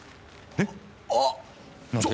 えっ！？